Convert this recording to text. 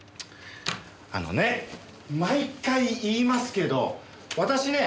あのね毎回言いますけど私ね